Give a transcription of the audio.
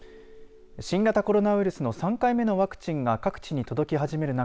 新型コロナウイルスの３回目のワクチンが各地に届き始める中